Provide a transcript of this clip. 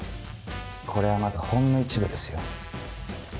これはまだほんの一部ですよ。